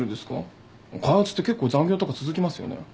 開発って結構残業とか続きますよね。